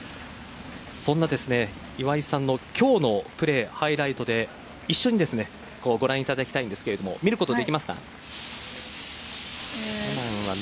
そんな岩井さんの今日のプレーハイライトで一緒にご覧いただきたいんですが見ること、できますか？